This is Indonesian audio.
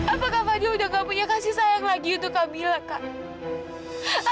apakah baju udah gak punya kasih sayang lagi untuk kak bila kak